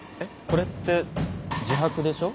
これって自白でしょ？